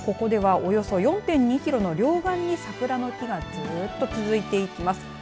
およそ４．２キロの両側に桜の木がずっと続いていきます。